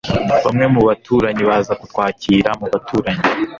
bamwe mu baturanyi baza kutwakira mu baturanyi